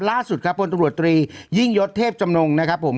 ล่าสุดครับพลตำรวจตรียิ่งยศเทพจำนงนะครับผม